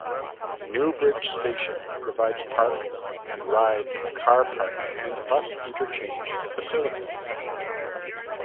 Newbridge station provides Park and Ride car park and bus interchange facilities.